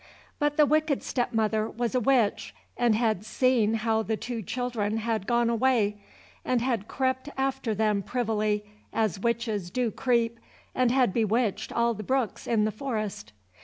But the wicked step mother was a witch, and had seen how the two children had gone away, and had crept after them privily, as witches do creep, and had bewitched all the brooks in the forest.